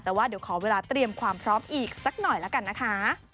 แต่ว่าเดี๋ยวขอเวลาเตรียมความพร้อมอีกสักหน่อยละกันนะคะ